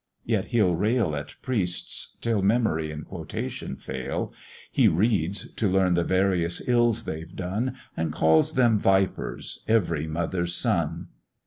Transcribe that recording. Yet he'll rail At priests till memory and quotation fail; He reads, to learn the various ills they've done, And calls them vipers, every mother's son.